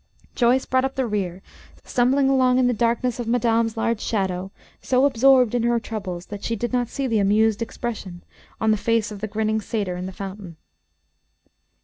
Joyce brought up the rear, stumbling along in the darkness of madame's large shadow, so absorbed in her troubles that she did not see the amused expression on the face of the grinning satyr in the fountain.